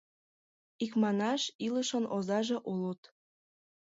— Икманаш, илышын озаже улыт.